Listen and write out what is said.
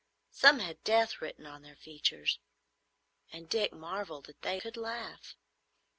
Some had death written on their features, and Dick marvelled that they could laugh.